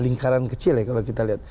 lingkaran kecil ya kalau kita lihat